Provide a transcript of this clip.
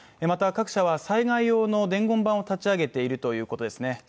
また各社は災害用の伝言板を立ち上げているということですね。